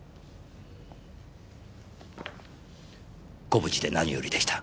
ご無事で何よりでした。